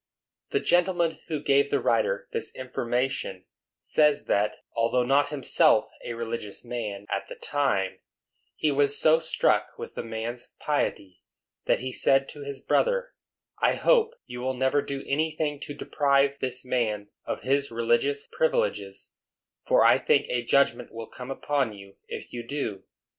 The gentleman who gave the writer this information says that, although not himself a religious man at the time, he was so struck with the man's piety that he said to his brother, "I hope you will never do anything to deprive this man of his religious privileges, for I think a judgment will come upon you if you do."